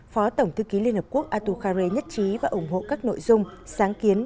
phó tổng thư ký liên hợp quốc atukhare nhất trí và ủng hộ các nội dung sáng kiến